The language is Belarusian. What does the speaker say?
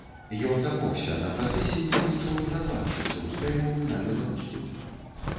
Ён дамогся, на працэсе ўдзельнічаў перакладчык з рускай мовы на беларускую.